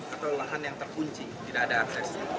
atau lahan yang terkunci tidak ada akses